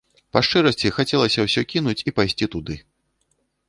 Па шчырасці, хацелася ўсё кінуць і пайсці туды.